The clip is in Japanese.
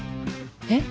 えっ？